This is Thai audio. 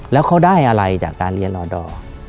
แล้วเขาได้อะไรจากการเรียนรอดอร์